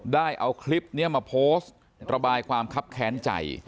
ได้เอาคลิปนี้มาโพสต์ระบายความคับแค้นใจ